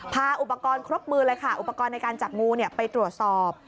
พาอุปกรณ์ครบมือเลยค่ะอุปกรณ์ในการจับงูไปตรวจสอบ